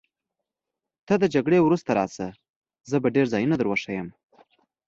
ته تر جګړې وروسته راشه، زه به ډېر ځایونه در وښیم.